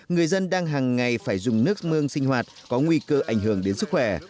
người dân đang hàng ngày phải dùng nước mương sinh hoạt có nguy cơ ảnh hưởng đến sức khỏe